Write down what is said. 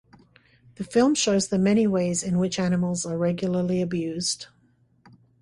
The film shows the many ways in which animals are regularly abused.